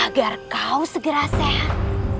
agar kau segera sehat